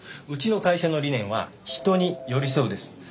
うちの会社の理念は「人に寄り添う」です。